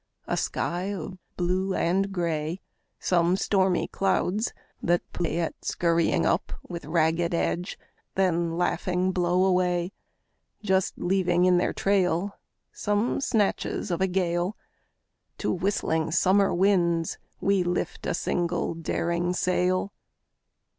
A sky of blue and grey; Some stormy clouds that play At scurrying up with ragged edge, then laughing blow away, Just leaving in their trail Some snatches of a gale; To whistling summer winds we lift a single daring sail.